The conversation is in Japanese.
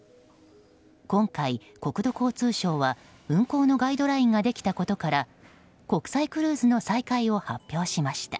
今回、国土交通省は運航のガイドラインができたことから国際クルーズの再開を発表しました。